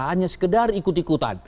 hanya sekedar ikut ikutan